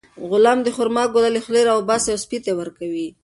غلام د خورما ګوله له خولې راوباسي او سپي ته یې ورکوي.